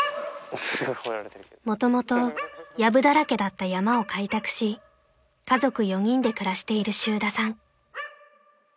［もともとやぶだらけだった山を開拓し家族４人で暮らしている周田さん］